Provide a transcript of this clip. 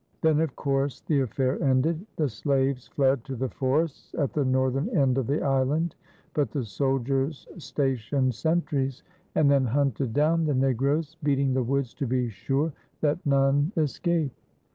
Then of course the affair ended. The slaves fled to the forests at the northern end of the island; but the soldiers stationed sentries and then hunted down the negroes, beating the woods to be sure that none escaped.